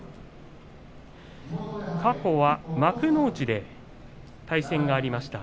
過去は幕内で対戦がありました。